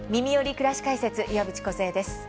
くらし解説」岩渕梢です。